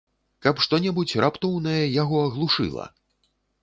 Каб што-небудзь раптоўнае яго аглушыла!